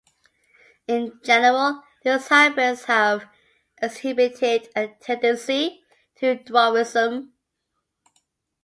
In general, these hybrids have exhibited a tendency to dwarfism.